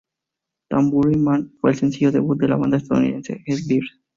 Tambourine Man fue el sencillo debut de la banda estadounidense The Byrds.